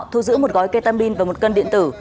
thu giữ một gói ketamin và một cân điện tử